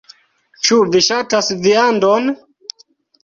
Ĉu vi ŝatas viandon?